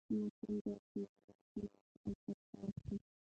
ماشوم باید د نورو ماشومانو څخه زده کړه وکړي.